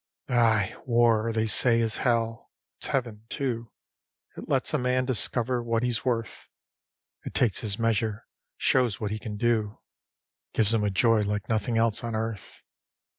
Ay, War, they say, is hell; it's heaven, too. It lets a man discover what he's worth. It takes his measure, shows what he can do, Gives him a joy like nothing else on earth.